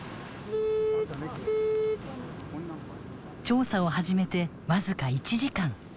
調査を始めて僅か１時間。